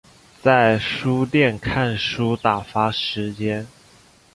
在书店看书打发时间